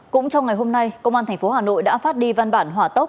cũng trong ngày hôm nay công an tp hà nội đã phát đi văn bản hỏa tốc